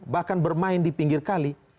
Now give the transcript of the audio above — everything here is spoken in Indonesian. bahkan bermain di pinggir kali